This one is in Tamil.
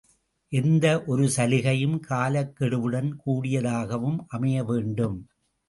எந்த ஒரு சலுகையும் காலக்கெடுவுடன் கூடியதாகவும் அமைய வேண்டும்.